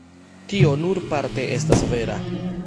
Tio nur parte estas vera.